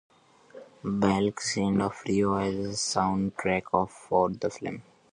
Blake Sennett of Rilo Kiley provided the soundtrack for the film.